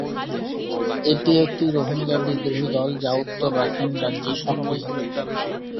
এটি একটি রোহিঙ্গা বিদ্রোহী দল যা উত্তর রাখাইন রাজ্যে সক্রিয়।